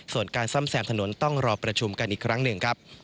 ส่วนการซ่อมแซมถนนต้องรอประชุมกันอีกครั้งหนึ่งครับ